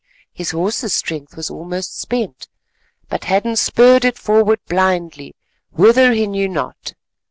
His horse's strength was almost spent, but Hadden spurred it forward blindly, whither he knew not.